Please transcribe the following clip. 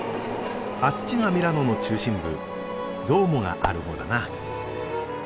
あっちがミラノの中心部ドゥオモがある方だな。